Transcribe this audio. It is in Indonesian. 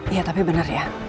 ya tapi bener ya